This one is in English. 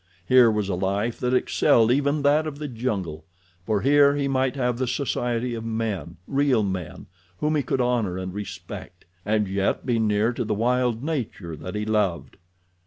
Here was a life that excelled even that of the jungle, for here he might have the society of men—real men whom he could honor and respect, and yet be near to the wild nature that he loved.